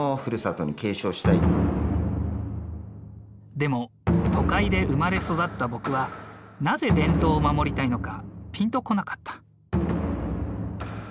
でも都会で生まれ育った僕はなぜ伝統を守りたいのかピンとこなかった。